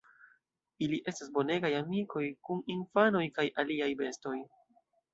Ili estas bonegaj amikoj kun infanoj kaj aliaj bestoj.